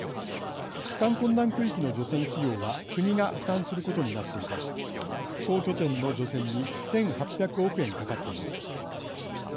帰還困難区域の除染費用は国が負担することになっていて復興拠点の除染に１８００億円かかっています。